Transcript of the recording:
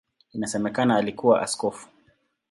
Inasemekana alikuwa askofu.